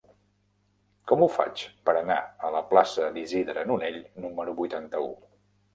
Com ho faig per anar a la plaça d'Isidre Nonell número vuitanta-u?